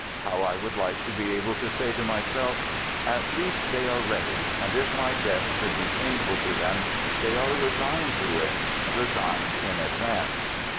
How I would like to be able to say to myself :" At least they are ready, and if my death would be painful to them, they are resigned to it, resigned in advance."